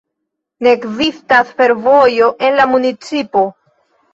Ne ekzistas fervojo en la municipo.